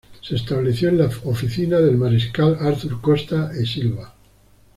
Se estableció en la oficina del mariscal Arthur Costa e Silva.